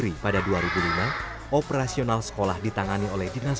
itu masalah hati saja mas